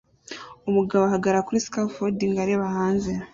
Umugabo ahagarara kuri scafolding areba hanze